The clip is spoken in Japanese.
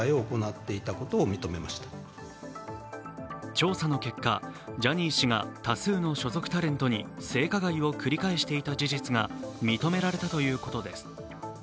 調査の結果、ジャニー氏が多数の所属タレントに性加害を繰り返していた事実が認められたということです。